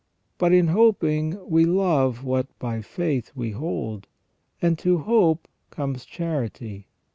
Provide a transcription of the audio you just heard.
But in hoping we love what by faith we hold, and to hope comes charity.